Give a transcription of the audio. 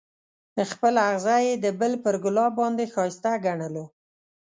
خپل اغزی یې د بل پر ګلاب باندې ښایسته ګڼلو.